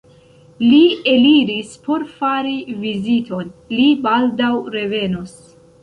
Li eliris por fari viziton: li baldaŭ revenos.